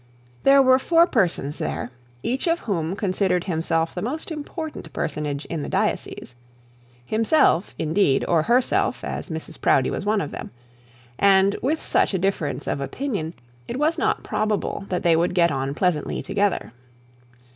There were four persons there, each of whom considered himself the most important personage in the diocese; himself indeed, or herself, as Mrs Proudie was one of them; and with such a difference of opinion it was not probable that they would get on pleasantly together.